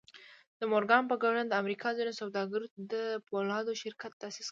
د مورګان په ګډون د امريکا ځينو سوداګرو د پولادو شرکت تاسيس کړی و.